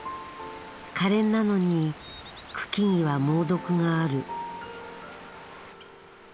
かれんなのに茎には猛毒がある。